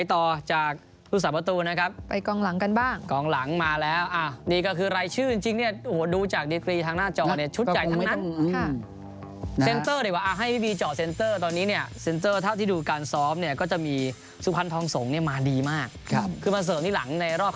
เท่าที่ดูการซ้อมจะให้สุพนภัทรยืนกับทางอดีสรพรหมรัก